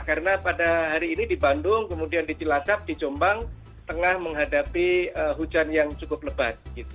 karena pada hari ini di bandung kemudian di cilacap di jombang tengah menghadapi hujan yang cukup lebat